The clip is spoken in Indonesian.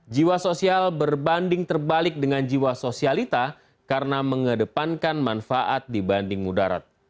jiwa sosial berbanding terbalik dengan jiwa sosialita karena mengedepankan manfaat dibanding mudarat